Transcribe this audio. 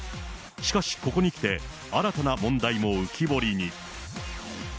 しかし、ここに来て、新たな問題も浮き彫りに。